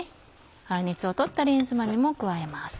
粗熱を取ったレンズ豆も加えます。